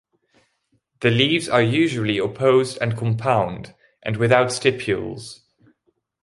The leaves are usually opposed and compound, and without stipules.